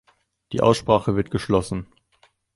Die Aussprache wird geschlossen.